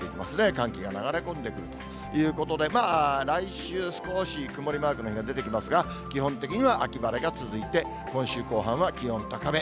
寒気が流れ込んでくるということで、来週、少し曇りマークの日が出てきますが、基本的には秋晴れが続いて、今週後半は気温高め。